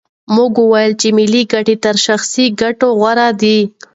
موږ وویل چې ملي ګټې تر شخصي ګټو غوره دي.